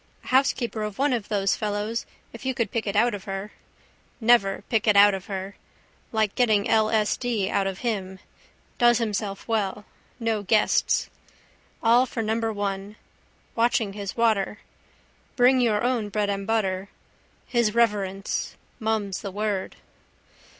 A housekeeper of one of those fellows if you could pick it out of her. Never pick it out of her. Like getting £. s. d. out of him. Does himself well. No guests. All for number one. Watching his water. Bring your own bread and butter. His reverence: mum's the word.